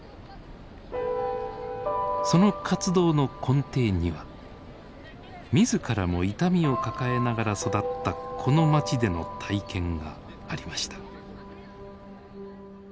その活動の根底には自らも痛みを抱えながら育ったこの街での体験がありました。